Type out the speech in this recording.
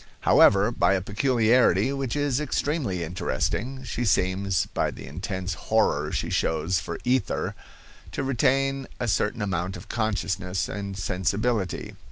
However, by a peculiarity, which is extremely interesting, she seems, by the intense horror she shows for ether, to retain a certain amount of consciousness and sensibility.